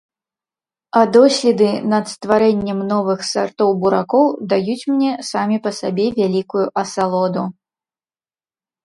А доследы над стварэннем новых сартоў буракоў даюць мне самі па сабе вялікую асалоду.